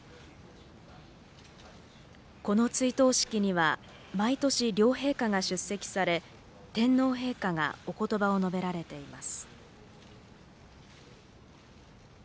この追悼式には毎年、両陛下が出席され天皇陛下がおことばを述べられています。